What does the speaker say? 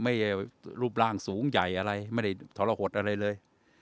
รูปร่างสูงใหญ่อะไรไม่ได้ทรหดอะไรเลย